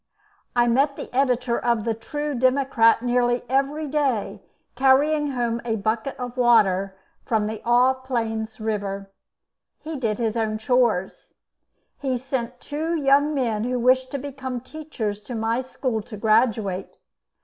I met the editor of the 'True Democrat' nearly every day carrying home a bucket of water from the Aux Plaines river. He did his own chores. He sent two young men who wished to become teachers to my school to graduate.